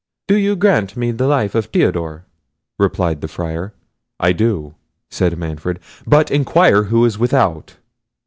"Do you grant me the life of Theodore?" replied the Friar. "I do," said Manfred; "but inquire who is without!"